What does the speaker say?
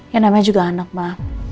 ya namanya juga anak ma